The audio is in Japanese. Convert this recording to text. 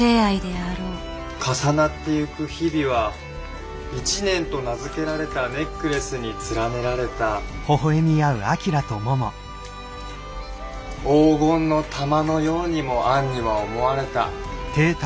「重なっていく日々は一年と名付けられたネックレスに連ねられた黄金の玉のようにもアンには思われた」。